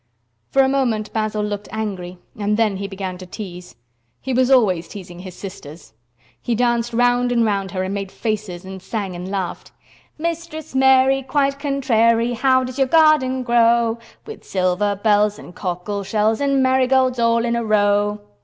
For a moment Basil looked angry, and then he began to tease. He was always teasing his sisters. He danced round and round her and made faces and sang and laughed. "Mistress Mary, quite contrary, How does your garden grow? With silver bells, and cockle shells, And marigolds all in a row."